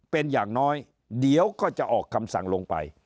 เป็นอย่างน้อยเดี๋ยวก็จะออกคำสั่งลงไป